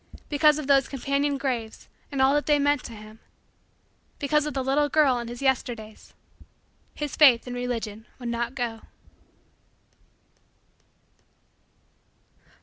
Because of those companion graves and all that they meant to him because of the little girl in his Yesterdays his faith in Religion would not go.